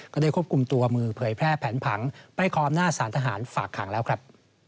ก็ได้ควบคุมตัวมือเผยแพร่แผนผังไปขออำนาจสารทหารฝากขังแล้วครับ